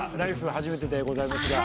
初めてでございますが。